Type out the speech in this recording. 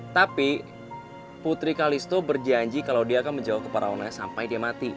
tapi putri kalisto berjanji kalau dia akan menjauh ke paraunah sampai dia mati